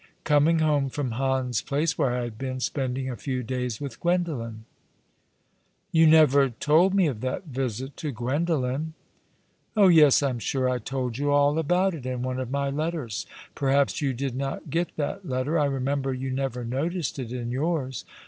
Coming home from Hans Place, where I had been Bpending a few days with Gwendolen." 1 82 All along the River. " You never told me of tliat visit to Gwendolen." " Oh yes ; I'm sure I told you all about it in one of my letters. Perhaps you did not get that letter — I remember you never noticed it in yours.